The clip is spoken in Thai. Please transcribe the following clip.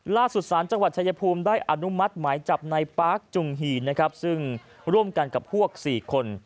ล่าสุดสารจังหวัดชายภูมิได้อนุมัติหมายจับในปาร์คจุงหี่นะครับซึ่งร่วมกันกับพวก๔คน